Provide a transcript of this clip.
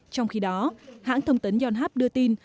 trong khi đó hãng thông tấn yonhap đưa tin